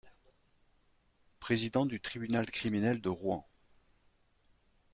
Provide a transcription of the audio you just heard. Président du tribunal criminel de Rouen.